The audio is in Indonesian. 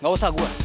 nggak usah gue